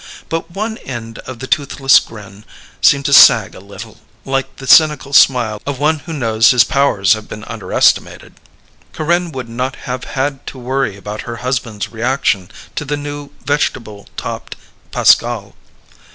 But one end of the toothless grin seemed to sag a little, like the cynical smile of one who knows his powers have been underestimated. Corinne would not have had to worry about her husband's reaction to the new vegetable topped Pascal.